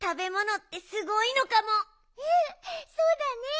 うんそうだね。